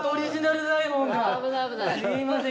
すいません